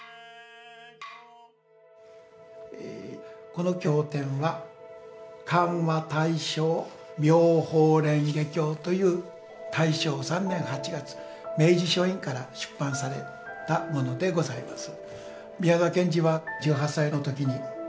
この経典は「漢和対照妙法蓮華経」という大正３年８月明治書院から出版されたものでございます。